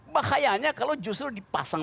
bahayanya kalau justru dipasang